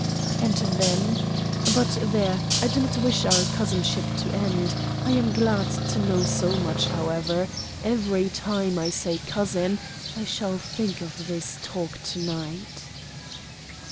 "And then? But there, I do not wish our cousinship to end. I am glad to know so much, however. Every time I say 'cousin' I shall think of this talk to night."